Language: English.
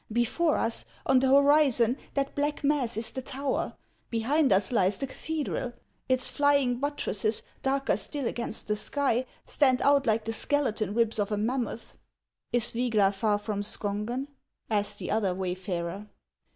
Before us, on the horizon, that black mass is the tower ; behind us lies the cathedral ; its flying buttresses, darker still against the sky, stand out like the skeleton ribs of a mammoth." " Is Vygla far from Skongen ?" asked the other wayfarer.